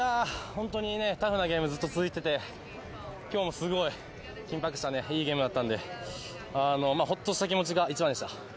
タフなゲームが続いて、今日も緊迫したいいゲームだったので、ホッとした気持ちが一番でした。